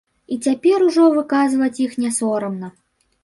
І цяпер ужо выказваць іх не сорамна.